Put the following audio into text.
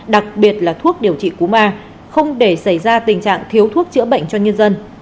đặc biệt là thuốc điều trị cú ma không để xảy ra tình trạng thiếu thuốc chữa bệnh cho nhân dân